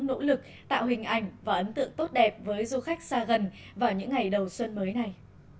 nỗ lực tạo hình ảnh và ấn tượng tốt đẹp với du khách xa gần vào những ngày đầu xuân mới này